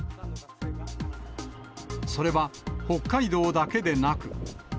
それは北海道だけでなく。